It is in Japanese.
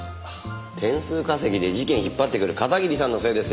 点数稼ぎで事件引っ張ってくる片桐さんのせいですよ。